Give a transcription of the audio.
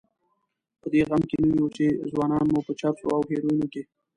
په دې غم کې نه یو چې ځوانان مو په چرسو او هیرویینو کې.